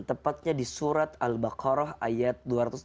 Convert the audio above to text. tepatnya di surat al baqarah ayat dua ratus tiga puluh